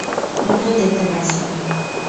মোটেও দেখতে পারছি না।